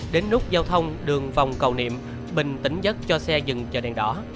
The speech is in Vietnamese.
đến nút giao thông đường vòng cầu niệm bình tỉnh giấc cho xe dừng cho đèn đỏ